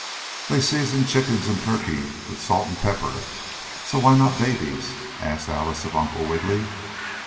"They season chickens and turkeys with salt and pepper, so why not babies?" asked Alice of Uncle Wiggily.